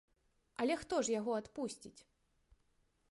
Але хто ж яго адпусціць?